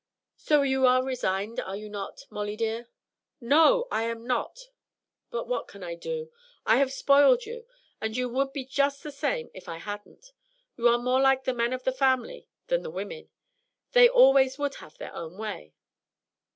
So you are resigned, are you not, Molly dear?" "No, I am not! But what can I do? I have spoiled you, and you would be just the same if I hadn't. You are more like the men of the family than the women they always would have their own way.